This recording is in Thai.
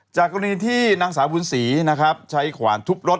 จากกรุณีที่นางสาวบูนศรีใช้ขวานทุบรถ